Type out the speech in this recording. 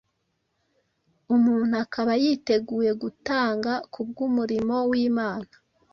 umuntu akaba yiteguye gutanga kubw’umurimo w’Imana.